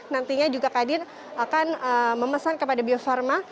nantinya juga kadin akan memesan kepada bio farma